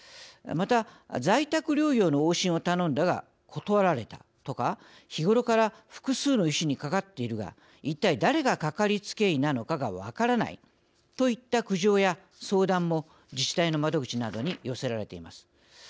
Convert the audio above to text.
また、在宅療養の往診を頼んだが断られたとか日頃から複数の医師にかかっているが一体、誰がかかりつけ医なのかが分からないといった苦情や相談も自治体の窓口などに寄せられています。